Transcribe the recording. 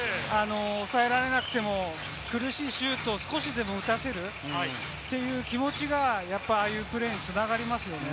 抑えられなくても、苦しいシュートを少しでも打たせる、そういう気持ちがああいうプレーに繋がりますよね。